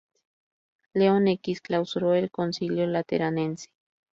León X clausuró el concilio Lateranense.